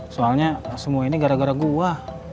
soalnya semua ini gara gara gue